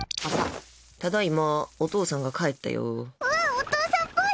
お父さんっぽい！